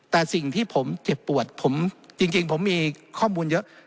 แต่สิ่งที่ผมเจ็บปวดผมจริงผมมีข้อมูลเยอะ